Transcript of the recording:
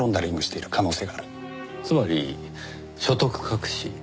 つまり所得隠し？